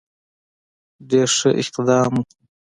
ډېر ښه اقدام وو.